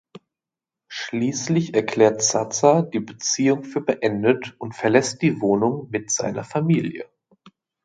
Schließlich erklärt Zaza die Beziehung für beendet und verlässt die Wohnung mit seiner Familie.